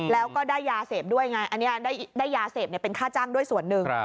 แล้วก็ได้ยาเสพด้วยไงอันนี้ได้ยาเสพเป็นค่าจ้างด้วยส่วนหนึ่ง